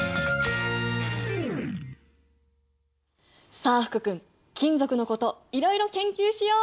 さあ福君金属のこといろいろ研究しよう！